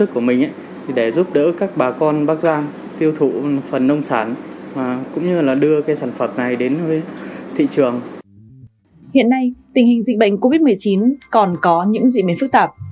hiện nay tình hình dịch bệnh covid một mươi chín còn có những diễn biến phức tạp